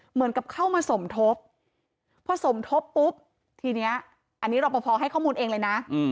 เหมือนกับเข้ามาสมทบพอสมทบปุ๊บทีนี้อันนี้รอปภให้ข้อมูลเองเลยนะ